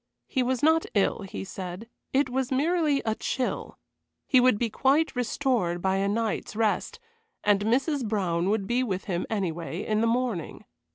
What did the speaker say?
He was not ill, he said, it was merely a chill; he would be quite restored by a night's rest, and Mrs. Brown would be with him, anyway, in the morning.